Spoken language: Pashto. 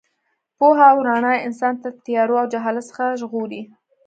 پوهه او رڼا انسان له تیارو او جهالت څخه ژغوري.